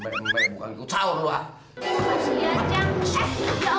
ya ya ya udah dong